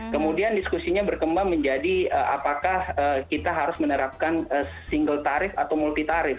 kemudian diskusinya berkembang menjadi apakah kita harus menerapkan single tarif atau multi tarif